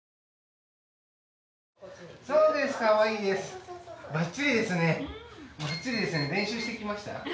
そうですかわいいですバッチリですねバッチリですね練習してきました？